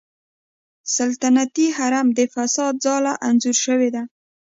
سلطنتي حرم د فساد ځاله انځور شوې ده.